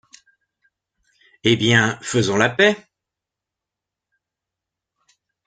Eh bien! faisons la paix.